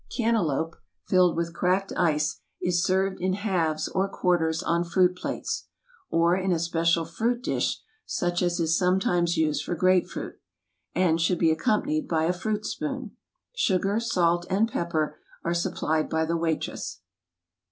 Cantaloupe, filled with cracked ice, is served in halves or quarters on fruit plates (or in a special fruit dish, such as is sometimes used for grape fruit), and should be accom panied by a fruit spoon. Sugar, salt, and pepper are supplied by the waitress.